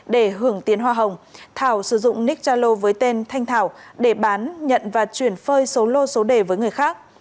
để hưởng tiến hoa hồng thảo sử dụng nick zalo với tên thanh thảo để bán nhận và chuyển phơi số lô số đề với người khác